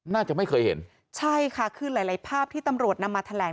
น่าจะไม่เคยเห็นใช่ค่ะคือหลายหลายภาพที่ตำรวจนำมาแถลง